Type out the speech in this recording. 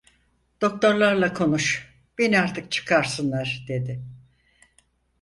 Doktorlarla konuş, beni artık çıkarsınlar dedi.